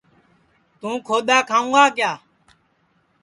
توں کھودؔا کھاوں گا کیا